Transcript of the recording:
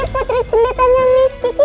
putri cendetanya miss kiki